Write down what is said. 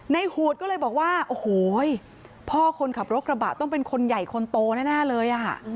หวดก็เลยบอกว่าโอ้โหพ่อคนขับรถกระบะต้องเป็นคนใหญ่คนโตแน่เลย